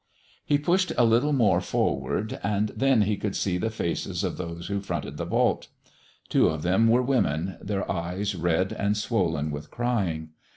He pushed a little more forward, and then he could see the faces of those who fronted the vault. Two of them were women, their eyes red and swollen with crying.